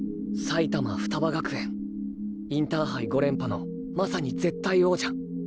埼玉ふたば学園インターハイ５連覇のまさに絶対王者。